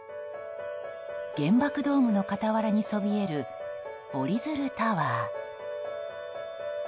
原爆ドームの傍らにそびえるおりづるタワー。